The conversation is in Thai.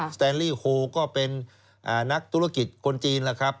แตนลี่โฮก็เป็นนักธุรกิจคนจีนแล้วครับ